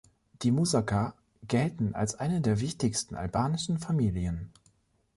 Die Muzaka gelten als eine der wichtigsten albanischen Familien.